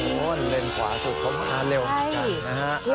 โอ้โฮเลนขวาสูงครบค้าเร็วเหมือนกันนะ